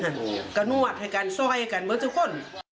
กันนวดให้กันซ่อยให้กันเหมือนเจ้าคน